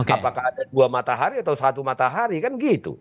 apakah ada dua matahari atau satu matahari kan gitu